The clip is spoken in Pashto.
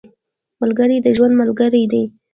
ملګری د ژوند ملګری دی